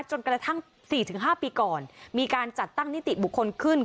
จนกระทั่ง๔๕ปีก่อนมีการจัดตั้งนิติบุคคลขึ้น